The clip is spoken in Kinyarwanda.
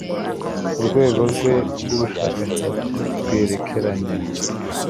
Urwego rwe rwubushakashatsi rwerekeranye